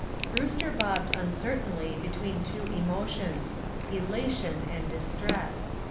Brewster bobbed uncertainly between two emotions elation and distress.